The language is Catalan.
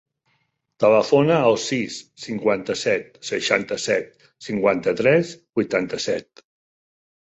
Telefona al sis, cinquanta-set, seixanta-set, cinquanta-tres, vuitanta-set.